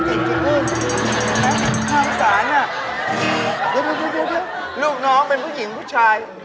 เดี๋ยวลูกน้องเป็นผู้หญิงผู้ชาย